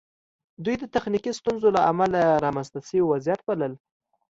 دوی د تخنیکي ستونزو له امله رامنځته شوی وضعیت بلل